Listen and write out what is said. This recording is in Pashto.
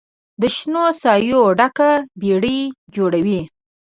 د شنو سایو ډکه بیړۍ جوړوي